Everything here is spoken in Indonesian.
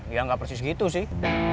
ya nggak persis gitu sih